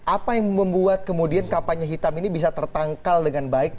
apa yang membuat kemudian kampanye hitam ini bisa tertangkal dengan baik